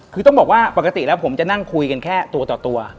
คือต้องบอกว่าปกติแล้วผมจะนั่งคุยกันแค่ตัวต่อตัว